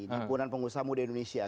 lingkungan pengusaha muda indonesia